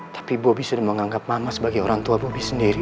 tapi bobi sudah menganggap mama sebagai orang tua bobi sendiri